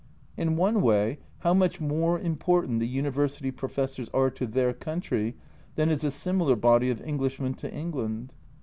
In one way, how much more important the Univer sity professors are to their country than is a similar body of Englishmen to England